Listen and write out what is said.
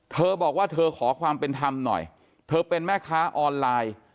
เธอบอกว่าเธอขอความเป็นธรรมหน่อยเธอเป็นแม่ค้าออนไลน์